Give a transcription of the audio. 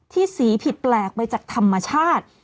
สีผิดแปลกไปจากธรรมชาติ